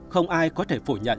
không ai có thể phủ nhận